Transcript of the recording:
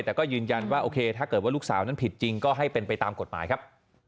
แต่ก็ยืนยันว่าโอเคถ้าเกิดว่าลูกสาวนั้นผิดจริงก็ให้เป็นไปตามกฎหมายครับ